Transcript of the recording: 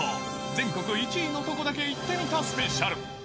全国１位のとこだけ行ってみたスペシャル。